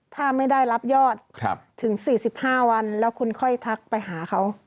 ถ้าไม่ได้รับยอดถึง๔๕วันแล้วคุณค่อยทักไปหาเขา